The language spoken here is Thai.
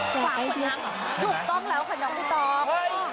ฝาขวดน้ำเหรอคะน้องคุณต้องแล้วค่ะน้องคุณต้องเฮ้ย